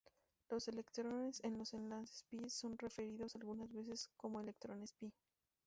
Los electrones en los enlaces pi son referidos algunas veces como electrones pi.